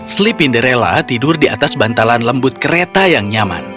slipinderella tidur di atas bantalan lembut kereta yang nyaman